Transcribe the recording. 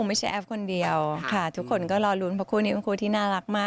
ไม่ใช่แอฟคนเดียวค่ะทุกคนก็รอลุ้นเพราะคู่นี้เป็นคู่ที่น่ารักมาก